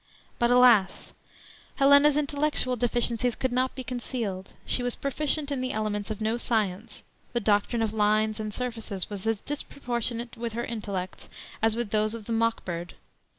But, alas! "Helena's intellectual deficiencies could not be concealed. She was proficient in the elements of no science. The doctrine of lines and surfaces was as disproportionate with her intellects as with those of the mock bird.